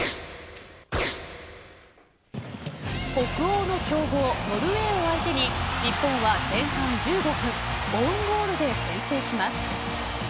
北欧の強豪、ノルウェーを相手に日本は前半１５分オウンゴールで先制します。